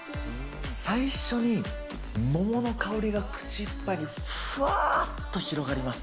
最初に桃の香りが口いっぱいにふわーっと広がります。